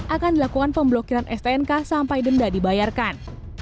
akan dilakukan pemblokiran stnk sampai denda dibayarkan